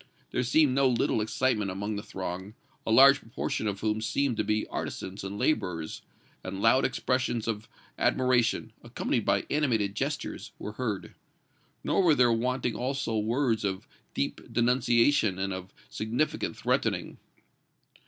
There seemed no little excitement among the throng, a large proportion of whom appeared to be artisans and laborers, and loud expressions of admiration, accompanied by animated gestures, were heard. Nor were there wanting also words of deep denunciation and of significant threatening.